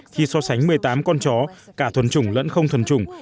khi so sánh một mươi tám con chó cả thuần chủng lẫn không thuần chủng